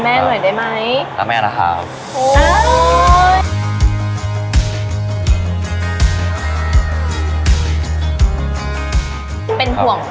มีขอเสนออยากให้แม่หน่อยอ่อนสิทธิ์การเลี้ยงดู